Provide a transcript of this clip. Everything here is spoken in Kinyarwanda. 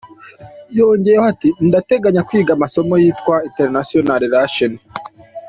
Yongeyeyho ati "Ndateganya kwiga amasomo yitwa international relation.